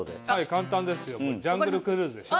簡単ですよジャングル・クルーズでしょ？